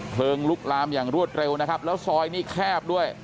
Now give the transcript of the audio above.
ลุกลามอย่างรวดเร็วนะครับแล้วซอยนี่แคบด้วย